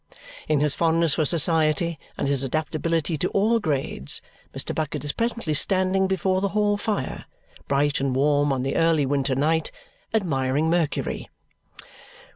In his fondness for society and his adaptability to all grades, Mr. Bucket is presently standing before the hall fire bright and warm on the early winter night admiring Mercury.